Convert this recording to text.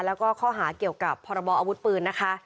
แล้วก็ข้อหาเกี่ยวกับพรบออาวุธปืนนะคะ